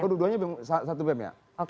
kedua duanya satu bem ya